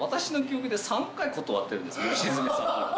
良純さんから。